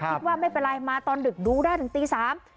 คิดว่าไม่เป็นไรมาตอนดึกดูได้ถึงตีสาม